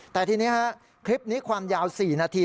แต่ทีนี้คลิปนี้ความยาว๔นาที